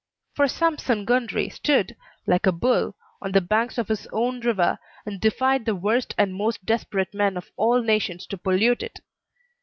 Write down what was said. For Sampson Gundry stood, like a bull, on the banks of his own river, and defied the worst and most desperate men of all nations to pollute it.